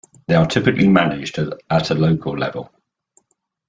They are typically managed at a local level.